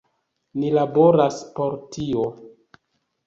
Ni laboras por tio.